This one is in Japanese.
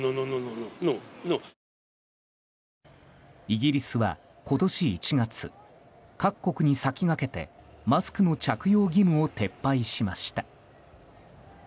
イギリスは今年１月各国に先駆けてマスクの着用義務を撤廃しました。